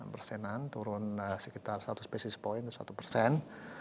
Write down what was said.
enam persenan turun sekitar seratus basis point satu persen